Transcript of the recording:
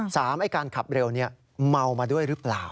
ไอ้การขับเร็วนี้เมามาด้วยหรือเปล่า